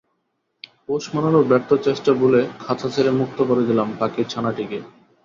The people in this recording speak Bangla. পোষ মানানোর ব্যর্থ চেষ্টা ভুলে খাঁচা ছেড়ে মুক্ত করে দিলাম পাখির ছানাটিকে।